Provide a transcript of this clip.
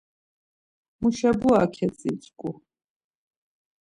Muşebura ketzitǩu.